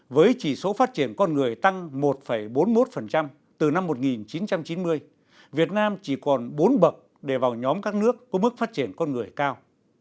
với chỉ số phát triển con người tăng một bốn mươi một từ năm một nghìn chín trăm chín mươi việt nam chỉ còn bốn bậc để vào nhóm các nước có mức phát triển con người cao